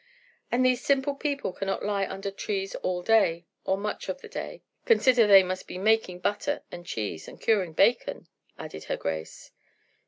"And these simple people cannot lie under trees all day, or much of the day; consider they must be making butter and cheese, and curing bacon," added her grace.